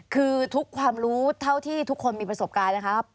คือทุกความรู้เท่าที่ทุกคนมีประสบการณ์นะครับ